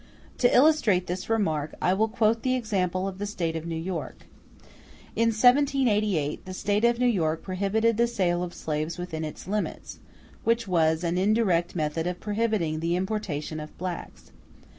To illustrate this remark, I will quote the example of the State of New York. In 1788, the State of New York prohibited the sale of slaves within its limits, which was an indirect method of prohibiting the importation of blacks.